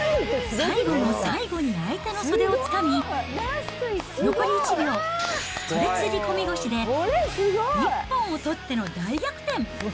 最後の最後に相手の袖をつかみ、残り１秒、袖釣り込み腰で一本を取っての大逆転。